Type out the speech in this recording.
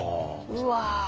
うわ。